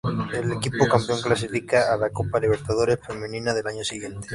El equipo campeón clasifica a la Copa Libertadores Femenina del año siguiente.